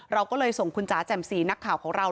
เราก็เลยส่งคุณจ๋าแจ่มสีนักข่าวของเรา